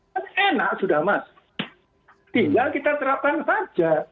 kan enak sudah mas tinggal kita terapkan saja